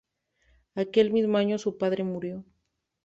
Aquel mismo año su padre murió.